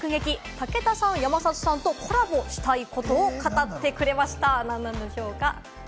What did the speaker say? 武田さん、山里さんとコラボしたいことを語ってくれました。